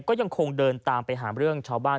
ก็ยังคงเดินตามไปหาเรื่องชาวบ้าน